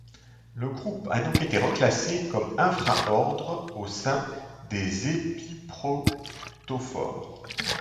Le groupe a donc été reclassé comme infra-ordre au sein des épiproctophores.